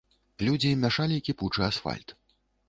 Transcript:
Людзі мяшалі кіпучы асфальт.